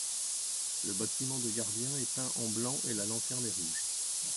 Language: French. Le bâtiment de gardien est peint en blanc et la lanterne est rouge.